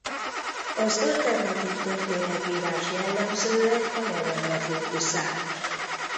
Az alternatív történetírás jellemzően a jelenre fókuszál.